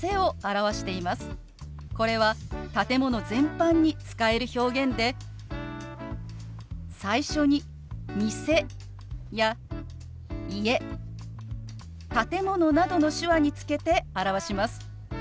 これは建物全般に使える表現で最初に「店」や「家」「建物」などの手話につけて表します。